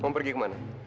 mau pergi ke mana